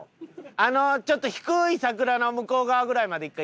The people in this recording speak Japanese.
あのちょっと低い桜の向こう側ぐらいまで一回行って。